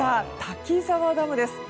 滝沢ダムです。